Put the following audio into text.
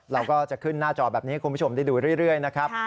เราก็จะขึ้นหน้าจอแบบนี้ให้คุณผู้ชมได้ดูเรื่อยนะครับ